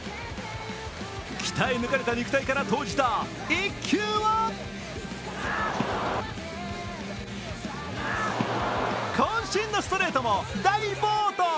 鍛え抜かれた肉体から投じた一球はこん身のストレートも大暴投。